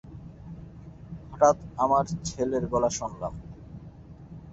হঠাৎ আমার ছেলের গলা শুনলাম।